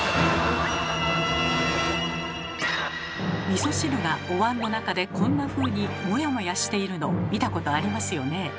みそ汁がおわんの中でこんなふうにモヤモヤしているの見たことありますよね。